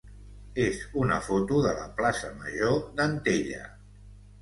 és una foto de la plaça major d'Antella.